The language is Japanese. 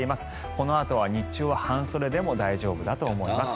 このあとは日中は半袖でも大丈夫だと思います。